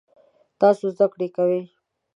تاسو زده کړی کوئ؟